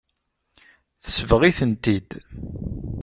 Tesbeɣ-itent-id.